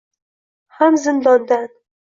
Ham zindondan